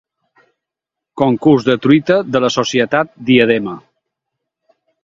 Concurs de truita de la Societat Diadema.